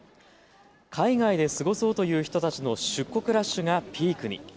海外で過ごそうという人たちの出国ラッシュがピークに。